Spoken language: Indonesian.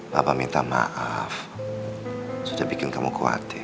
bapak minta maaf sudah bikin kamu khawatir